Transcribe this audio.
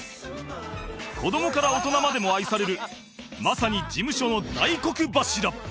子どもから大人までも愛されるまさに事務所の大黒柱